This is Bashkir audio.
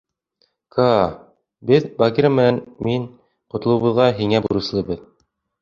Каа, беҙ, Багира менән мин, ҡотолоуыбыҙға һиңә бурыслыбыҙ.